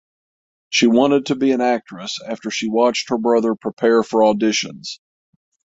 She wanted to be an actress after she watched her brother prepare for auditions.